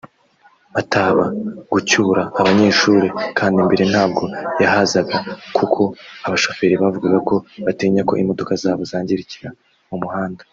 Mataba gucyura abanyeshuri kandi mbere ntabwo yahazaga kuko abashoferi bavugaga ko batinya ko imodoka zabo zangirikira mu muhanda